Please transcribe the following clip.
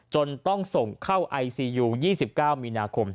จนต้องส่งเข้าไอซียู๒๙มีนาคม